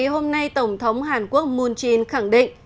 hôm nay tổng thống hàn quốc moon jin khẳng định